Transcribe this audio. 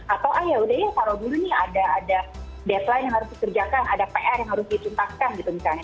atau ah yaudah ya taruh dulu nih ada deadline yang harus dikerjakan ada pr yang harus dituntaskan gitu misalnya